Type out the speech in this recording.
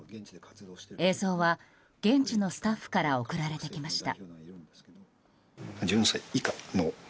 映像は現地のスタッフから送られてきました。